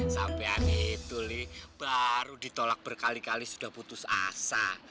sampai hari itu baru ditolak berkali kali sudah putus asa